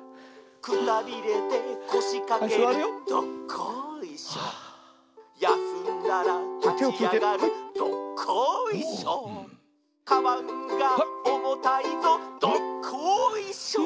「くたびれてこしかけるどっこいしょ」「やすんだらたちあがるどっこいしょ」「カバンがおもたいぞどっこいしょ」